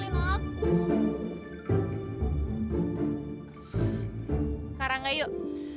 sekarang gak yuk